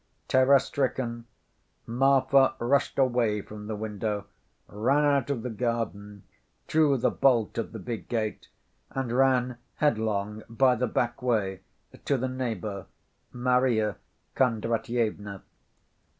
Terror‐stricken, Marfa rushed away from the window, ran out of the garden, drew the bolt of the big gate and ran headlong by the back way to the neighbor, Marya Kondratyevna.